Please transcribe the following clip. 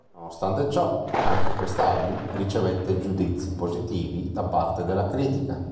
Nonostante ciò, anche questo album ricevette giudizi positivi da parte della critica.